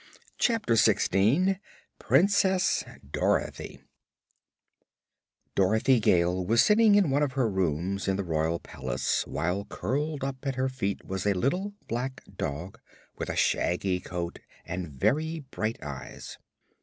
Chapter Sixteen Princess Dorothy Dorothy Gale was sitting in one of her rooms in the royal palace, while curled up at her feet was a little black dog with a shaggy coat and very bright eyes.